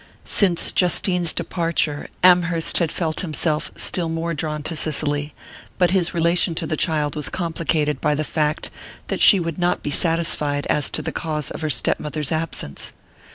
Since Justine's departure Amherst had felt himself still more drawn to Cicely; but his relation to the child was complicated by the fact that she would not be satisfied as to the cause of her step mother's absence.